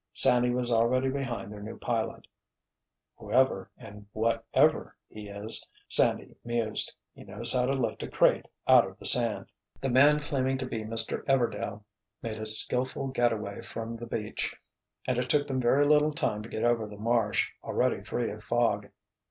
Sandy was already behind their new pilot. "Whoever and whatever he is," Sandy mused, "he knows how to lift a 'crate' out of the sand." The man claiming to be Mr. Everdail made a skillful getaway from the beach, and it took them very little time to get over the marsh, already free of fog.